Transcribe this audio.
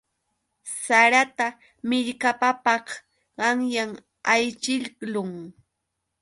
Sarata millkapapaq qanyan ayćhiqlun.